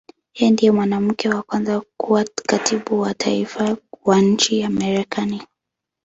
Yeye ndiye mwanamke wa kwanza kuwa Katibu wa Taifa wa nchi ya Marekani.